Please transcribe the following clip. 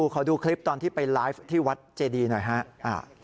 ขอดูคลิปตอนที่ไปไลฟ์ที่วัดเจดีหน่อยครับ